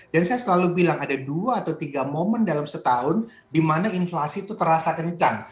dan saya selalu bilang ada dua atau tiga momen dalam setahun di mana inflasi itu terasa kencang